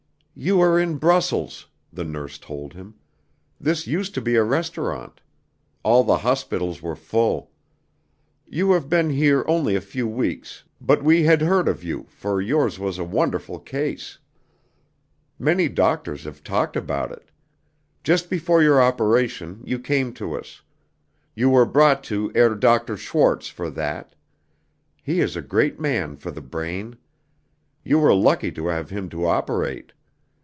"You are in Brussels," the nurse told him. "This used to be a restaurant. All the hospitals were full. You have been here only a few weeks, but we had heard of you, for yours was a wonderful case. Many doctors have talked about it. Just before your operation, you came to us. You were brought to Herr Doctor Schwarz for that. He is a great man for the brain. You were lucky to have him to operate.